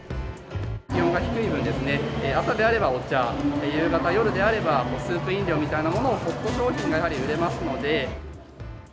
気温が低い分、朝であればお茶、夕方、夜であればスープ飲料みたいなものが、ホット商品がやはり売れま